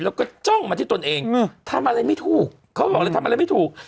แล้วก็จ้องมาที่ตนเองทำอะไรไม่ถูกเขาบอกเลยทำอะไรไม่ถูก